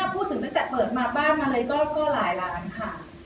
ประมาณกี่ราคา